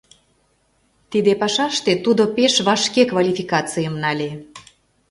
Тиде пашаште тудо пеш вашке «квалификацийым» нале.